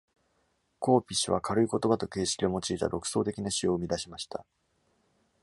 コーピッシュは、軽い言葉と形式を用いた独創的な詩を生み出しました。